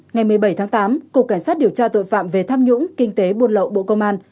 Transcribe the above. ngày một mươi bảy tháng tám cục cảnh sát điều tra tội phạm về tham nhũng kinh tế buôn lậu bộ công an